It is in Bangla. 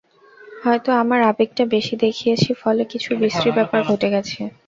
হয়তো আমরা আবেগটা বেশি দেখিয়েছি, ফলে কিছু বিশ্রী ব্যাপার ঘটে গেছে।